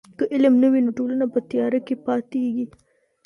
که علم نه وي نو ټولنه په تیاره کي پاتیږي.